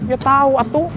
ya tahu atu